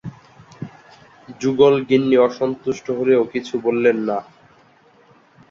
যুগল-গিন্নি অসন্তুষ্ট হলেও কিছু বললেন না।